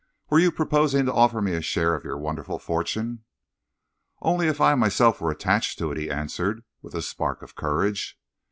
Were you proposing to offer me a share of your wonderful fortune?" "Only if I myself were attached to it," he answered, with a spark of courage.